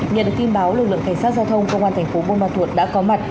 nhận được tin báo lực lượng cảnh sát giao thông công an tp bùi mặt thuột đã có mặt